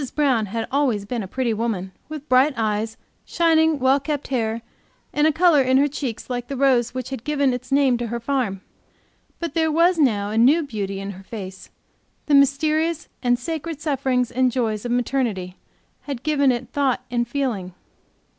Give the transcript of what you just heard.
Brown had always been a pretty woman, with bright eyes, shining, well kept hair, and a color in her cheeks like the rose which had given its name to her farm. But there was now a new beauty in her face; the mysterious and sacred sufferings and joys of maternity had given it thought and feeling.